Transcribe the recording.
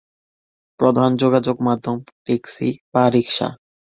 প্রধান যোগাযোগ মাধ্যম ট্যাক্সি বা রিক্সা।